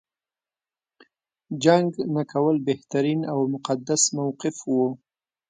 جنګ نه کول بهترین او مقدس موقف و.